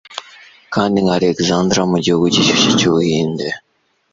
Kandi nka Alexandre mugihugu gishyushye cyu Buhinde